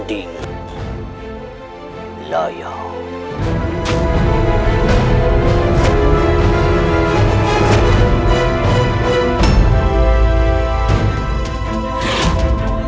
dan pusat pajajaran